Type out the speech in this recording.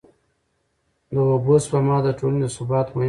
د اوبو سپما د ټولني د ثبات مهم عنصر دی.